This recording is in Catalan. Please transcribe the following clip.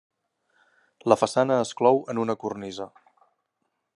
La façana es clou en una cornisa.